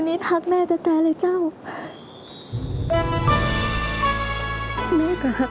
พี่กลุ่มเจ๋งแล้ว